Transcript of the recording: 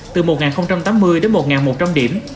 từ một tám mươi đến một một trăm linh điểm